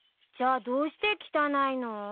じゃあどうして汚いの？